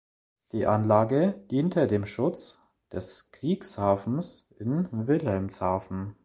Die Anlage diente dem Schutz des Kriegshafens in Wilhelmshaven.